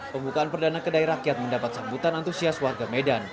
pembukaan perdana kedai rakyat mendapat sambutan antusiasi